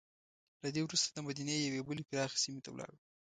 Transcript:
له دې وروسته دمدینې یوې بلې پراخې سیمې ته لاړو.